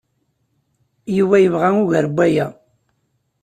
Yuba yebɣa ugar n waya.